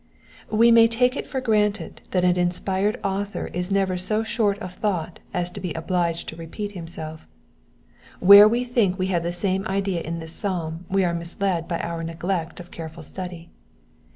We may take it for granted that an inspired author is never so short of thought as to be obliged to repeat himself : where we think we have the same idea in this psalm we are misled by our neglect of careful study.